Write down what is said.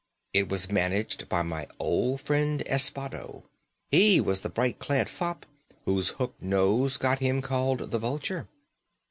It was managed by my old friend Espado; he was the bright clad fop, whose hook nose got him called the Vulture.